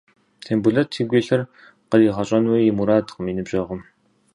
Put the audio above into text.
Тембулэт игу илъыр къригъэщӏэнуи и мурадкъым и ныбжьэгъум.